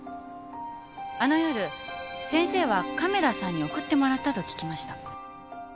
あの夜先生は亀田さんに送ってもらったと聞きました。